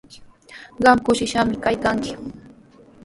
Qam kushishqami kaykanki.